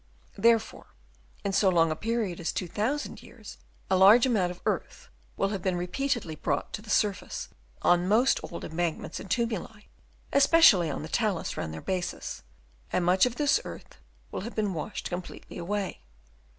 Therefore in so long a period as 2000 years, a large amount of earth will have been repeatedly brought to the surface on most old embankments and tumuli, especially on the talus round their bases, and much of this earth will have been washed completely away.